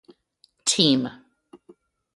Team.